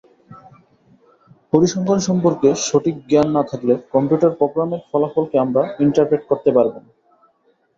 পরিসংখ্যান সম্পর্কে সঠিক জ্ঞান না থাকলে কম্পিউটার প্রোগ্রামের ফলাফলকে আমরা ইন্টারপ্রেট করতে পারবো না।